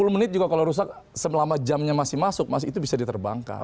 sepuluh menit juga kalau rusak selama jamnya masih masuk mas itu bisa diterbangkan